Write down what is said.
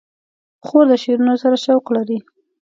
خور د شعرونو سره شوق لري.